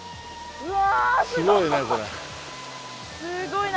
うわ！